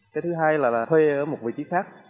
cái thứ hai là thuê ở một vị trí khác